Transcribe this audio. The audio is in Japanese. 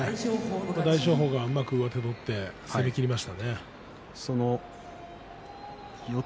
大翔鵬がうまく上手を取って攻めきりました。